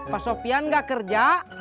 pak sofian gak kerja